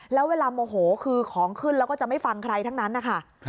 แล้วเวลาโมโหคือของขึ้นแล้วก็จะไม่ฟังใครทั้งนั้นนะคะ